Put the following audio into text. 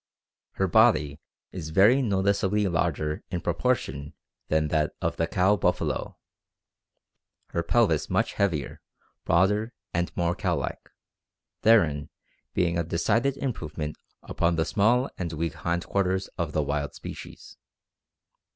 Her body is very noticeably larger in proportion than that of the cow buffalo, her pelvis much heavier, broader, and more cow like, therein being a decided improvement upon the small and weak hind quarters of the wild species.